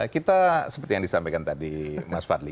kita seperti yang disampaikan tadi mas fadli